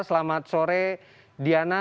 selamat sore diana